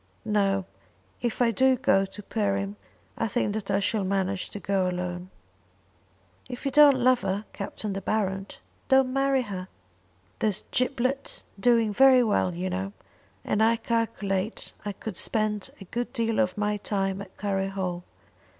No; if I do go to Perim I think that I shall manage to go alone." "If you don't love her, Captain De Baron, don't marry her." "There's Giblet doing very well, you know; and I calculate I could spend a good deal of my time at Curry Hall.